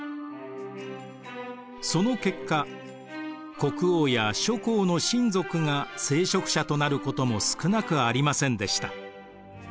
その結果国王や諸侯の親族が聖職者となることも少なくありませんでした。